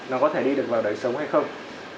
nó có thể đi được vào đời sống hay không